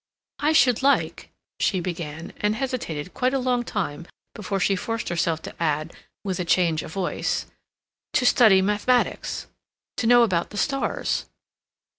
"I should like," she began, and hesitated quite a long time before she forced herself to add, with a change of voice, "to study mathematics—to know about the stars."